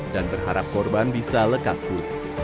dan berharap korban bisa lekaskun